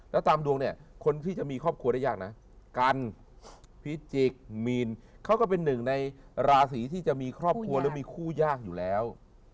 แล้วตามดวงเนี่ยคนที่จะมีครอบครัวได้ยากนะกันพิจิกมีนเขาก็เป็นหนึ่งในราศีที่จะมีครอบครัวหรือมีคู่ยากอยู่แล้ว